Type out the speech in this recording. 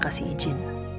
udah kasih izin